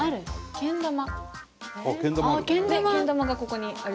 けん玉がここにあります。